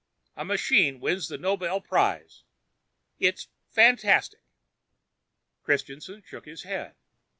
A machine wins the Nobel Prize. It's fantastic!" Christianson shook his head.